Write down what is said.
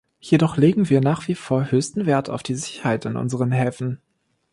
Jedoch legen wir nach wie vor höchsten Wert auf die Sicherheit in unseren Häfen.